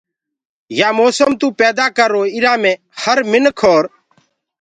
يآ موسم تو پيدآ ڪروئي ايرآ مي هر مِنک اور